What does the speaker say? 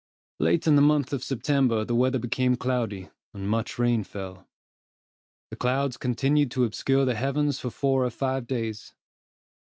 Late in the month of September the weather became cloudy, and much rain fell. The clouds continued to obscure the heavens for four or five days.